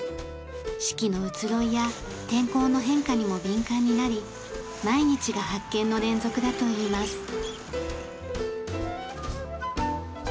四季のうつろいや天候の変化にも敏感になり毎日が発見の連続だといいます。